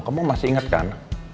kamu masih inget kan